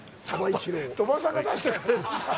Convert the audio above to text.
鳥羽さんが出してくれる。